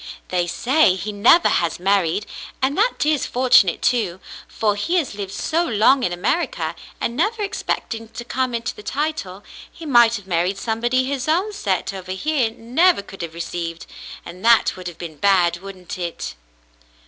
"They say he never has married, and that is fortunate too ; for he has lived so long in America, and never expecting to come into the title, he might have married somebody his own set over here never could have received, and that would have been bad, wouldn't it.